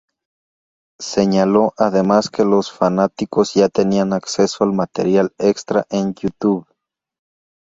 Señaló además que los fanáticos ya tenían acceso al material extra en YouTube.